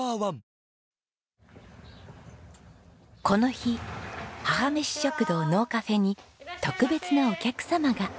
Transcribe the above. この日母めし食堂のうカフェに特別なお客様が。